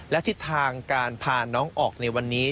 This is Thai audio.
และทิศทางการพาน้องออกในวันนี้